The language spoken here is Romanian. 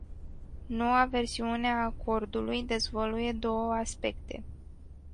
Noua versiune a acordului dezvăluie două aspecte.